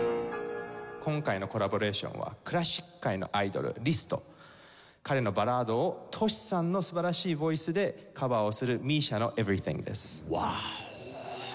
今回のコラボレーションはクラシック界のアイドルリスト彼のバラードをＴｏｓｈｌさんの素晴らしいボイスでカバーをするＭＩＳＩＡの『Ｅｖｅｒｙｔｈｉｎｇ』です。